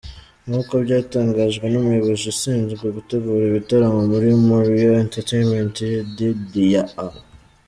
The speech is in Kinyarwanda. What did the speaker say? Nk’uko byatangajwe n’Umuyobozi ushinzwe gutegura ibitaramo muri Moriah Entertainment, Yedidya A.